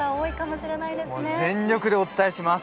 全力でお伝えします。